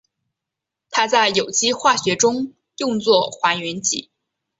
它在有机化学中用作还原剂。